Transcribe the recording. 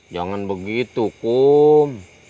jangan begitu kum